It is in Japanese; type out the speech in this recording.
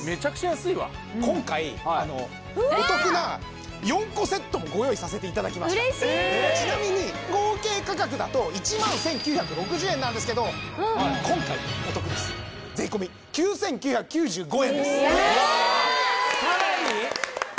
今回お得な４個セットもご用意させていただきましたちなみに合計価格だと１万１９６０円なんですけど今回お得です税込９９９５円ですさらに！？